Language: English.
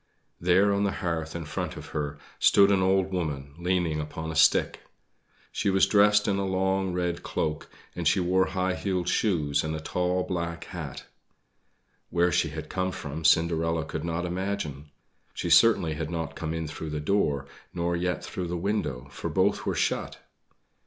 There on the hearth in front of her stood an old woman, leaning upon a stick. She was dressed in a long red cloak, and she wore high heeled shoes and a tall black hat. Where she had come from Cinderella could not imagine. She certainly had not come in through the door, nor yet through the window for both were shut.